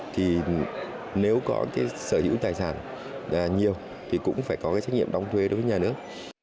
thì nếu có sở hữu tài sản nhiều thì cũng phải có trách nhiệm đóng thuế đối với nhà nước